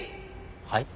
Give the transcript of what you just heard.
はい？